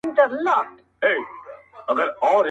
زما پر زړه دغه ګيله وه ښه دى تېره سوله,